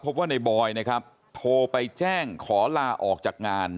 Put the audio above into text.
พบว่าในบอยนะครับโทรไปแจ้งขอลาออกจากงาน